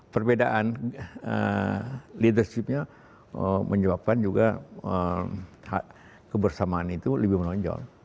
perbedaan leadershipnya menyebabkan juga kebersamaan itu lebih menonjol